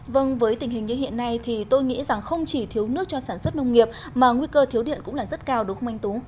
vâng với tình hình như hiện nay thì tôi nghĩ rằng không chỉ thiếu nước cho sản xuất nông nghiệp mà nguy cơ thiếu điện cũng là rất cao đúng không anh tú